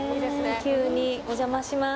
急にお邪魔します